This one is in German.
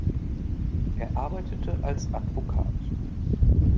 Er arbeitete als Advokat.